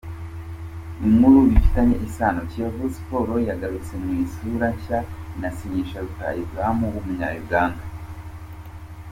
Inkuru bifitanye isano: Kiyovu Sports yagarutse mu isura nshya, inasinyisha rutahizamu w’Umunya –Uganda.